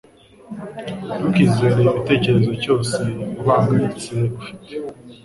Ntukizere igitekerezo cyose uhangayitse ufite.